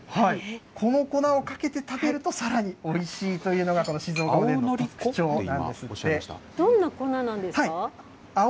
この粉をかけて食べると、さらにおいしいというのがこの静岡どんな粉なんですか。